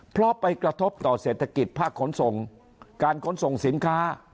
เพราะไปกระทบต่อเศรษฐกิจภาคขนส่งการขนส่งสินค้า